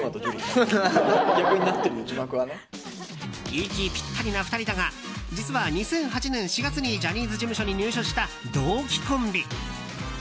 息ピッタリな２人だが実は、２００８年４月にジャニーズ事務所に入所した同期コンビ。